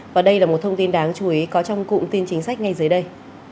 và đây là một thông tin đáng chú ý có trong cụm tin chính sách ngay dưới đây